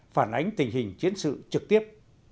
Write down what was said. phản ánh tình hình chiến sự trực tiếp